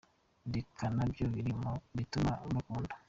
Nkeka ko nabyo biri mu bituma bankunda…”.